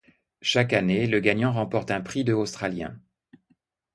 Chaque année, le gagnant remporte un prix de australiens.